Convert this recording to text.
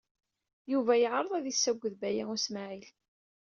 Yuba yeɛreḍ ad isagged Baya U Smaɛil.